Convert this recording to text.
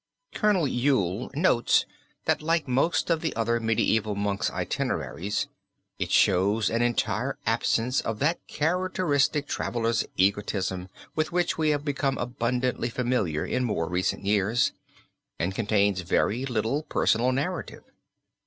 Col. Yule notes that like most of the other medieval monks' itineraries, it shows an entire absence of that characteristic traveler's egotism with which we have become abundantly familiar in more recent years, and contains very little personal narrative.